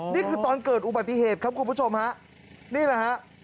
นี่คือตอนเกิดอุบัติเหตุครับคุณผู้ชมฮะนี่แหละฮะ